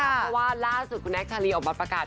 เพราะว่าล่าสุดคุณแอคชาลีออกมาประกาศ